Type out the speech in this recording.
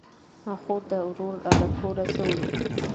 خور ده ورور له کوره سه وړي